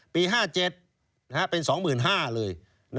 ปี๕๗เป็น๒๕๐๐๐เลย๕๘๐๐๐๒๕๐๐๐๕๙๐๐๐